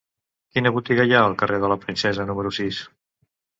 Quina botiga hi ha al carrer de la Princesa número sis?